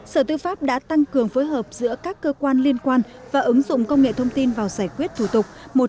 sở tư pháp đã tăng cường phối hợp giữa các cơ quan liên quan và ứng dụng công nghệ thông tin vào giải quyết thủ tục